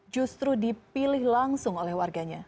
justru dipilih langsung oleh warganya